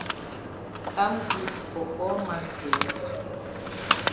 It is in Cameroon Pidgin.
Kam good for all man for here.